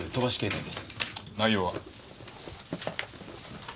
内容は？